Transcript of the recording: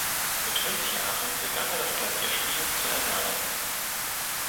Mit fünf Jahren begann er das Klavierspiel zu erlernen.